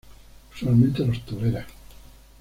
Usualmente los tolera.